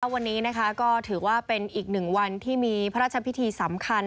วันนี้ก็ถือว่าเป็นอีกหนึ่งวันที่มีพระราชพิธีสำคัญ